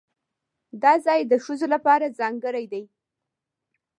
دا ځای د ښځو لپاره ځانګړی دی.